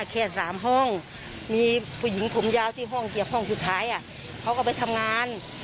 แค่๓ห้องมีผู้หญิงผมยาวที่ห้องเกี่ยวห้องสุดท้ายเขาก็ไปทำงาน